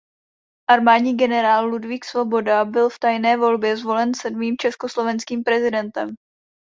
Armádní generál Ludvík Svoboda byl v tajné volbě zvolen sedmým československým prezidentem.